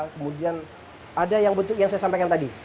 kemudian ada yang saya sampaikan tadi